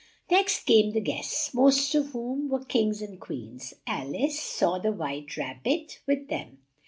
Next came the guests, most of whom were Kings and Queens. Al ice saw the White Rab bit, with them.